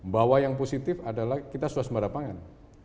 bahwa yang positif adalah kita suasembada pangan